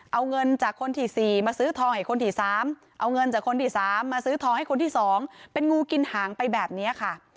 เอาเงินจากคนที่๔มาซื้อทองให้คนที่๓เอาเงินจากคนที่๓มาซื้อทองให้คนที่๒เป็นงูกินหางไปแบบนี้ค่ะ